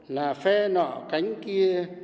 là phe nọ cánh kia